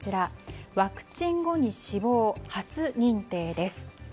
ワクチン後に死亡、初認定です。